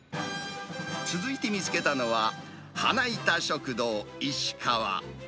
続いて見つけたのは、花板食堂イシカワ。